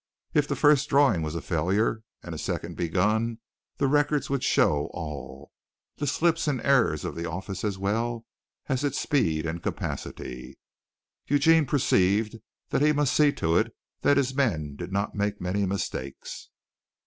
If the first drawing was a failure and a second begun, the records would show all, the slips and errors of the office as well as its speed and capacity. Eugene perceived that he must see to it that his men did not make many mistakes.